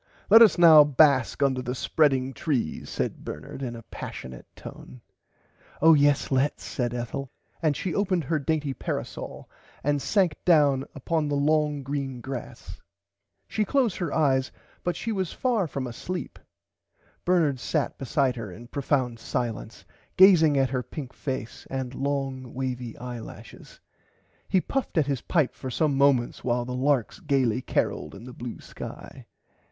Let us now bask under the spreading trees said Bernard in a passiunate tone. Oh yes lets said Ethel and she opened her [Pg 91] dainty parasole and sank down upon the long green grass. She closed her eyes but she was far from asleep. Bernard sat beside her in profound silence gazing at her pink face and long wavy eye lashes. He puffed at his pipe for some moments while the larks gaily caroled in the blue sky.